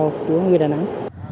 với đồng bào của người đà nẵng